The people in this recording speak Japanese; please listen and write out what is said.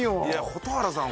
蛍原さん